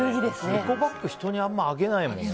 エコバッグ人にあんまりあげないもんね。